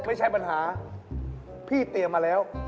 ไม่ใช่ปัญหาพี่เตรียมมาแล้ว